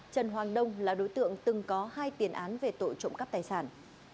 trần hoàng đông là đối tượng từng có hai tiền án về tội trộm cắp tài sản